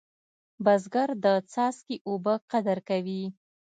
بزګر د څاڅکي اوبه قدر کوي